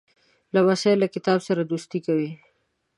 لمسی له کتاب سره دوستي کوي.